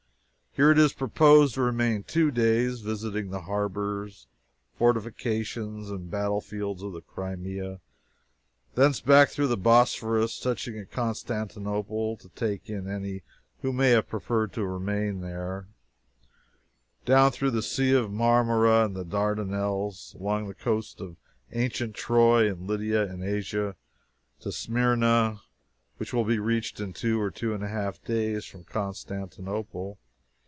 Here it is proposed to remain two days, visiting the harbors, fortifications, and battlefields of the Crimea; thence back through the Bosphorus, touching at Constantinople to take in any who may have preferred to remain there; down through the Sea of Marmora and the Dardanelles, along the coasts of ancient Troy and Lydia in Asia, to Smyrna, which will be reached in two or two and a half days from Constantinople.